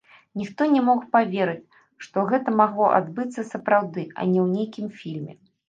Ніхто не мог паверыць, што гэта магло адбыцца сапраўды, а не ў нейкім фільме.